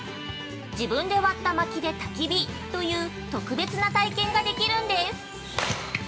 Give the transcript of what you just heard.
自分で割ったまきでたき火という特別な体験ができるんです。